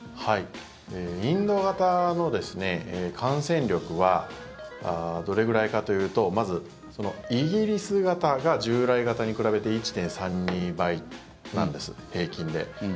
インド型の感染力はどれくらいかというとまず、イギリス型が従来型に比べて１．３２倍なんです、平均で。